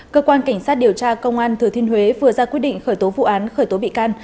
cơ quan cảnh sát điều tra công an thừa thiên huế vừa ra quyết định khởi tố vụ án khởi tố bị can